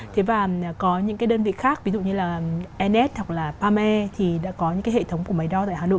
thế và có những cái đơn vị khác ví dụ như là ns hoặc là pame thì đã có những cái hệ thống của máy đo tại hà nội